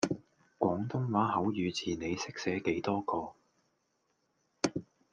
廣東話口語字你識寫幾多個?